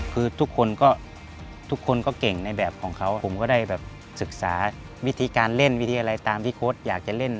คือทุกคนก็ทุกคนก็เก่งในแบบของเขาผมก็ได้แบบศึกษาวิธีการเล่นวิธีอะไรตามที่โค้ดอยากจะเล่น